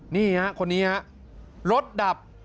เนี้ยครับคนนี้ฮะรถดับ